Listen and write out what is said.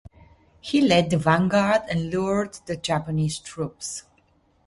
He led the vanguard and lured the Japanese troops.